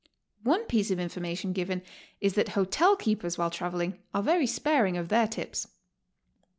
One piece of information given is that hotel keepers while traveling are very sparing of their tips.